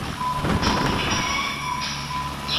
د مخطي حال دي پر ټوکي کوونکي نه قياسيږي.